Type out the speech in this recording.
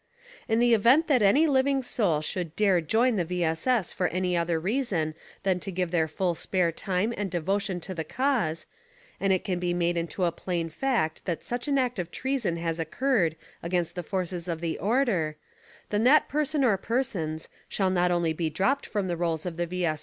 In the event that any living soul should dare join the V. S. S. for any other reason than to give their full spare time and devotion to the cause, and it can be made into a plain fact that such an act of treason has occured against the forces of the order, then that person or persons, shall not only be dropped from the rolls of the V. S.